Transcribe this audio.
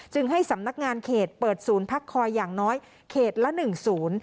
ให้สำนักงานเขตเปิดศูนย์พักคอยอย่างน้อยเขตละหนึ่งศูนย์